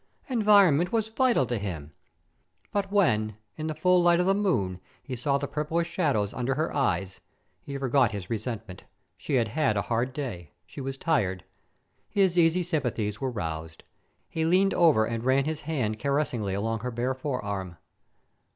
Environment was vital to him. But when, in the full light of the moon, he saw the purplish shadows under her eyes, he forgot his resentment. She had had a hard day. She was tired. His easy sympathies were roused. He leaned over and ran his and caressingly along her bare forearm.